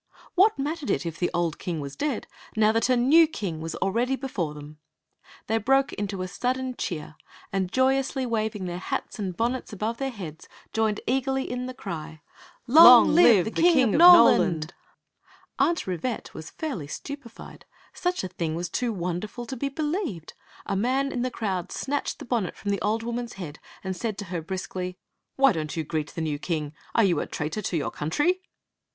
What mattered it if the old king was dead, now that a new king was already before them ? They broke into a sudden cheer, and, joyously waving their hats and bonnets above their heads, joined eagerly in the cry: " Long live the King of Noland !" Aunt Rivette was £urly stupefied. Such a thing was too wonderful to be believed. A man in the crowd snatched the bonnet from the old woman's head, and said to her brusquely: " Why don't you greet the new king? Are you a traitor to your country